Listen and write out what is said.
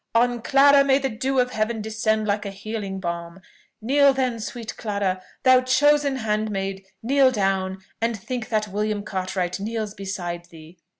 On Clara may the dew of Heaven descend like healing balm! Kneel then, sweet Clara thou chosen handmaid; kneel down, and think that William Cartwright kneels beside thee!